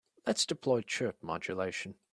Let's deploy chirp modulation.